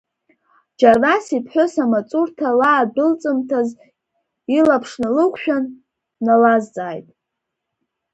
Џьарнас иԥҳәыс амаҵурҭа лаадәылҵымҭаз илаԥш налықәшәан, дналазҵааит…